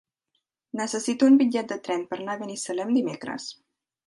Necessito un bitllet de tren per anar a Binissalem dimecres.